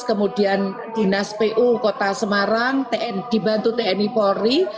kemudian dinas pu kota semarang dibantu tni polri